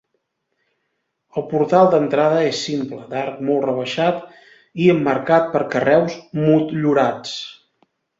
El portal d'entrada és simple, d'arc molt rebaixat i emmarcat per carreus motllurats.